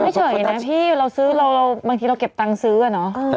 เฉยนะพี่เราซื้อเราบางทีเราเก็บตังค์ซื้ออะเนาะ